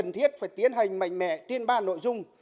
tiến hành mạnh mẽ tiên ban nội dung